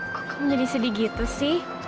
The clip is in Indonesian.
kok kamu jadi sedih gitu sih